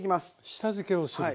下漬けをする。